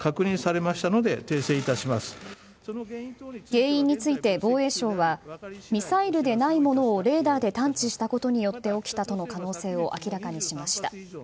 原因について防衛省はミサイルでないものをレーダーで探知したことによって起きたとの可能性を明らかにしました。